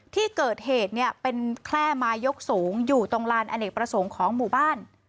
ที่เกิดเหตุเนี่ยเป็นแคล่ไม้ยกสูงอยู่ตรงลานอเนกประสงค์ของหมู่บ้าน